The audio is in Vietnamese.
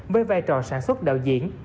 với vai trò sản xuất đạo diễn